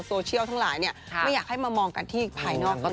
เป็นหนึ่งในนักแสดงที่เขาเลือกมาให้เทียบคู่กัน